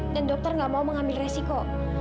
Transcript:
dan dokter gak mau mengambil resiko